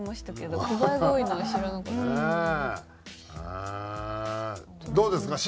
どうですか？